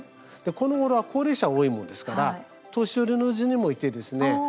このごろは高齢者が多いもんですから年寄りのうちにも行ってですね